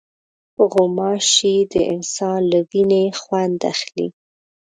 غوماشې د انسان له وینې خوند اخلي.